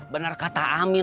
bener kata amin